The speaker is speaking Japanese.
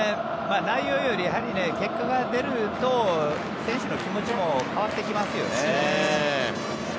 内容より結果が出ると選手の気持ちも変わってきますよね。